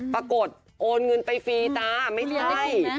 ปรากฏโอนเงินไปฟรีนะไม่ได้